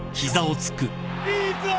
いいぞ！